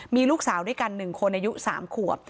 มีลูกสาวด้วยกัน๑คนอายุ๓ขวบ